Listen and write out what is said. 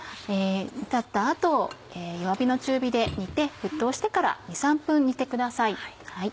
煮立った後弱めの中火で煮て沸騰してから２３分煮てください。